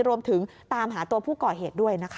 รวมถึงตามหาตัวผู้ก่อเหตุด้วยนะคะ